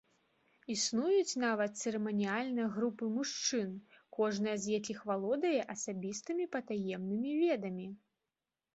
Існуюць нават цырыманіяльныя групы мужчын, кожная з якіх валодае асабістымі патаемнымі ведамі.